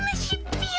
ピ。